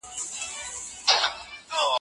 جادوګر دانې را وایستې دباندي